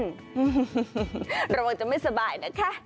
หือหือระวังจะไม่สบายนะคะ